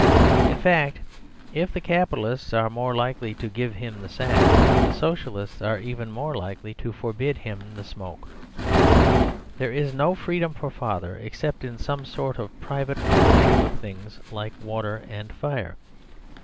In fact, if the Capitalists are more likely to give him the sack, the Socialists are even more likely to forbid him the smoke. There is no freedom for Father except in some sort of private ownership of things like water and fire.